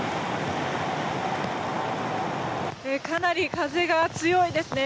かなり風が強いですね。